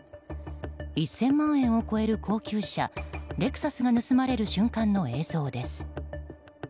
１０００万円を超える高級車レクサスが盗まれる瞬間の映像です。